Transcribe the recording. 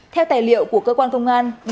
theo tài liệu của cơ quan công an